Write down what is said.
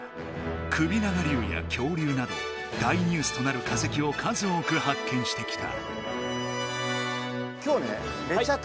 首長竜や恐竜など大ニュースとなる化石を数多く発見してきた。